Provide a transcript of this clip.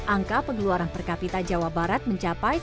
angka pengeluaran per kapita jawa barat mencapai sembilan delapan